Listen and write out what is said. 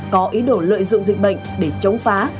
có ý đồ lợi dụng dịch bệnh để chống phá